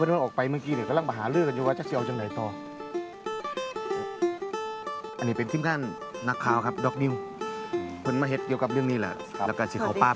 เดี๋ยวพี่ไปก่อนแล้วกันแล้วถ้าได้ข่าวยังไงเดี๋ยวรีบส่งข่าว